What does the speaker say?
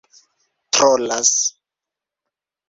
trolas